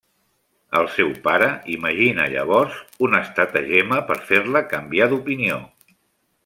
El seu pare imagina llavors un estratagema per fer-la canviar d'opinió.